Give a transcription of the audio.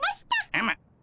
うむ。